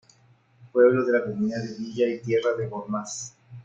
Pueblo de la Comunidad de Villa y Tierra de Gormaz.